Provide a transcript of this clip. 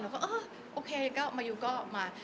เราก็โอเคก็มาอยู่ก็มา